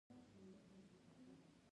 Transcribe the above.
د مزار سیلو غنم ذخیره کوي.